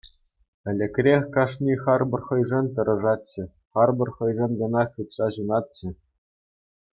Ӗлӗкрех кашни харпӑр хӑйшӗн тӑрӑшатчӗ, харпӑр хӑйшӗн кӑна хыпса ҫунатчӗ.